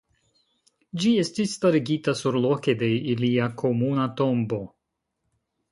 Ĝi estis starigita surloke de ilia komuna tombo.